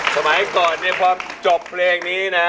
สมัยก่อนพอจบเพลงนี้นะ